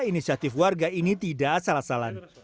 inisiatif warga ini tidak asal asalan